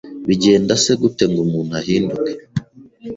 Bigenda se gute ngo umuntu ahinduke